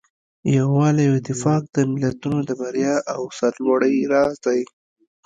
یووالی او اتفاق د ملتونو د بریا او سرلوړۍ راز دی.